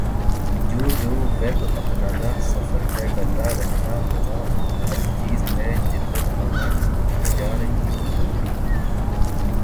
جوں جوں ویب اپنانا سفر طے کرنا رہنا ہونا ہَر چیز میں جدت آنا جارہی ہونا